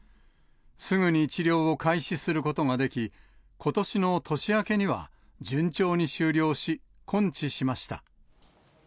すぐに治療を開始することができ、ことしの年明けには順調に終了し、根治しました。